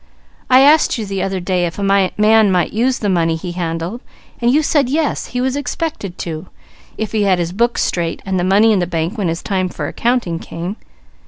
I asked you the other day if a man might use the money he handled, and you said yes, he was expected to, if he had his books straight and the money in the bank when his time for accounting came.